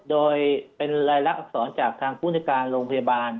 โดยเป็นรายละอักษรจากทางผู้ในการโรงพยาบาล